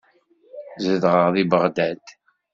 Zedɣeɣ deg Beɣdad.